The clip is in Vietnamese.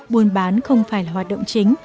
buôn bán không phải là hoạt động chính